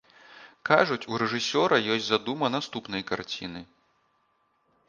Кажуць, у рэжысёра ёсць задума наступнай карціны.